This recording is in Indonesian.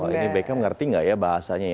oh ini beckham ngerti gak ya bahasanya ya